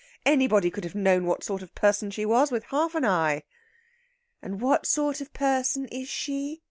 Anybody could have known what sort of person she was with half an eye!" "And what sort of person is she?"